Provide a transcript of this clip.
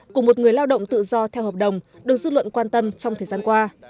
cùng một người lao động tự do theo hợp đồng được dự luận quan tâm trong thời gian qua